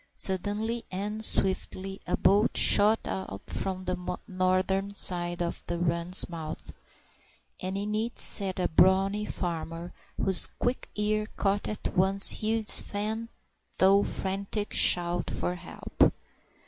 Suddenly and swiftly a boat shot out from the northern side of the run's mouth, and in it sat a brawny farmer, whose quick ear caught at once Hugh's faint though frantic shout for help.